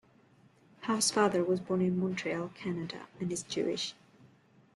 Housefather was born in Montreal, Canada, and is Jewish.